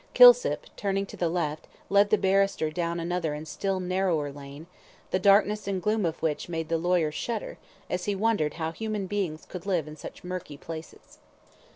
Kilsip turning to the left, led the barrister down another and still narrower lane, the darkness and gloom of which made the lawyer shudder, as he wondered how human beings could live in such murky places.